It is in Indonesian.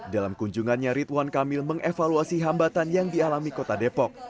dalam kunjungannya ridwan kamil mengevaluasi hambatan yang dialami kota depok